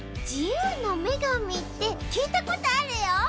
じゆうのめがみってきいたことあるよ！